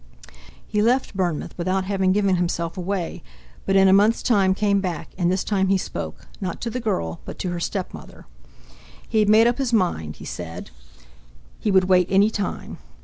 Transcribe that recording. He left Bournemouth without having given himself away, but in a month's time came back, and this time he spoke, not to the girl, but to her stepmother. He had made up his mind, he said; he would wait any time.